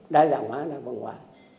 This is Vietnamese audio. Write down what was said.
đã giả hóa là văn hóa